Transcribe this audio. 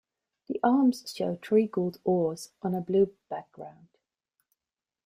The arms show three gold oars on a blue background.